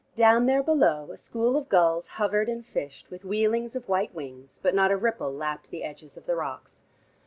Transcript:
Down there below, a school of gulls hovered and fished with wheelings of white wings, but not a ripple lapped the edges of the rocks.